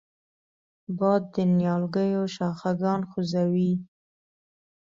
باد د نیالګیو شاخهګان خوځوي